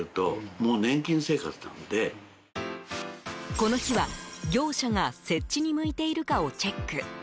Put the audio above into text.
この日は、業者が設置に向いているかをチェック。